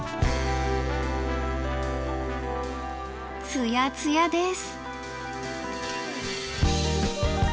ツヤツヤです。